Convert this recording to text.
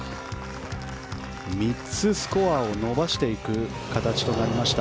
３つスコアを伸ばしていく形となりました。